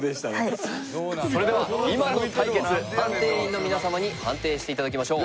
それでは今の対決判定員の皆様に判定していただきましょう。